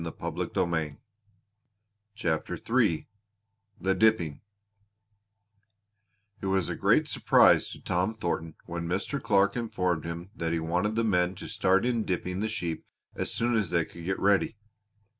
CHAPTER III THE DIPPING It was a great surprise to Tom Thornton when Mr. Clark informed him that he wanted the men to start in dipping the sheep as soon as they could get ready.